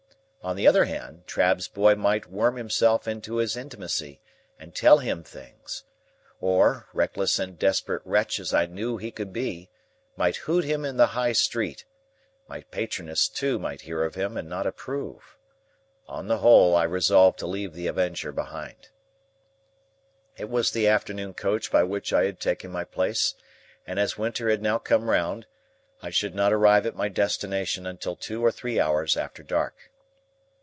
On the other hand, Trabb's boy might worm himself into his intimacy and tell him things; or, reckless and desperate wretch as I knew he could be, might hoot him in the High Street. My patroness, too, might hear of him, and not approve. On the whole, I resolved to leave the Avenger behind. It was the afternoon coach by which I had taken my place, and, as winter had now come round, I should not arrive at my destination until two or three hours after dark.